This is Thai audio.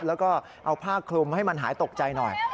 แล้วก็เอาผ้าคลุมให้มันหายตกใจหน่อย